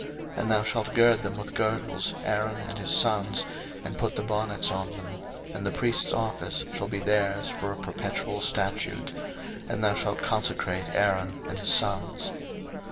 02:029:009 And thou shalt gird them with girdles, Aaron and his sons, and put the bonnets on them: and the priest's office shall be theirs for a perpetual statute: and thou shalt consecrate Aaron and his sons.